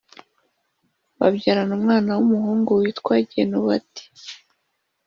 babyarana umwana w’umuhungu witwaga Genubati